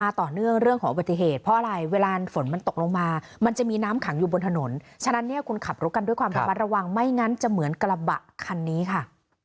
ต่อเนื่องเรื่องของอุบัติเหตุเพราะอะไรเวลาฝนมันตกลงมามันจะมีน้ำขังอยู่บนถนนฉะนั้นเนี่ยคุณขับรถกันด้วยความระมัดระวังไม่งั้นจะเหมือนกระบะคันนี้ค่ะ